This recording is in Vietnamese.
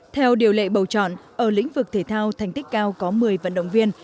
theo điều lệ bầu chọn ở lĩnh vực thể thao thành tích cao có một mươi vận động viên